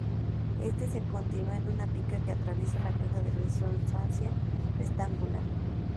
Este se continúa en una pica que atraviesa la caja de resonancia rectangular.